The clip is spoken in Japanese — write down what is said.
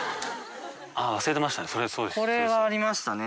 忘れてましたね